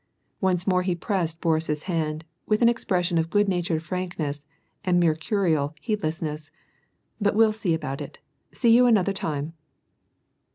Once more he pressed Boris's hand with an expression of good natured frankness and mecurial heedlessness. " But we'll see about it. See you another time